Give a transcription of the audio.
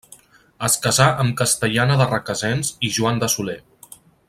Es casà amb Castellana de Requesens i Joan de Soler.